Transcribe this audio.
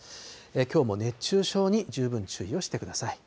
きょうも熱中症に十分注意をしてください。